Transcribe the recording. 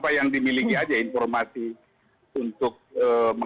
kalau yang dimiliki aja informasi untuk mengecek seluruh kebenaran informasi yang disampaikan